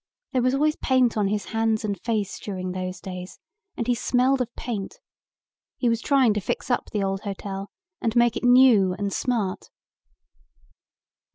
There was always paint on his hands and face during those days and he smelled of paint. He was trying to fix up the old hotel, and make it new and smart."